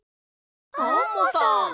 アンモさん！